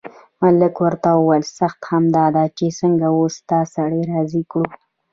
ملک ورته وویل سخته همدا ده چې څنګه اوس دا سړی راضي کړو.